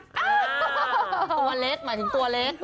ตัวเล็กหมายถึงตัวเล็ก